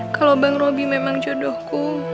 kalau bang roby memang jodohku